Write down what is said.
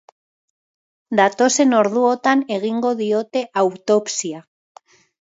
Datozen orduotan egingo diote autopsia.